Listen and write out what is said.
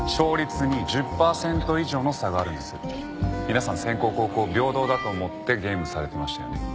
皆さん先攻後攻平等だと思ってゲームされてましたよね。